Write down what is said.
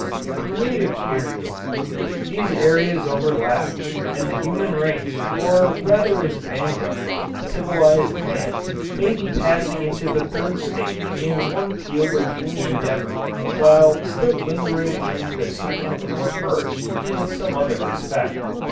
The Creative Period These eras overlap, and the human race, or rather its vanguard, civilized man, may be passing into the third stage in one field of human endeavor while still lingering in the second or first in some other respect.